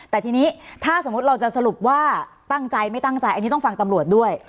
แต่ทีนี้ถ้าสมมุติเราจะสรุปว่าตั้งใจไม่ตั้งใจอันนี้ต้องฟังตำรวจด้วย